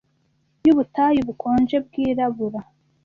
y'ubutayu bukonje, bwirabura